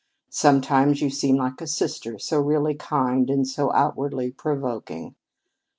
Sometimes you seem like a sister, so really kind and so outwardly provoking.